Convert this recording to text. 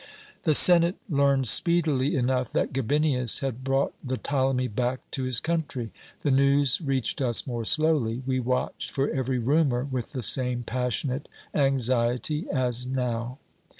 "The senate learned speedily enough that Gabinius had brought the Ptolemy back to his country; the news reached us more slowly. We watched for every rumour with the same passionate anxiety as now.